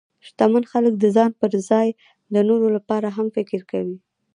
شتمن خلک د ځان پر ځای د نورو لپاره هم فکر کوي.